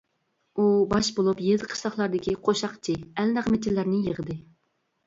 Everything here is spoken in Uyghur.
ئۇ باش بولۇپ يېزا-قىشلاقلاردىكى قوشاقچى، ئەلنەغمىچىلەرنى يىغدى.